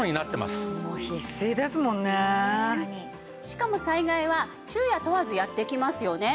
しかも災害は昼夜問わずやって来ますよね。